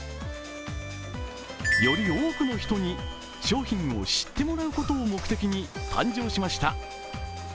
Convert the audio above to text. より多くの人に商品を知ってもらうことを目的に誕生しました。